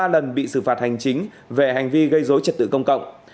ba lần bị xử phạt hành chính về hành vi gây dối trật tự công cộng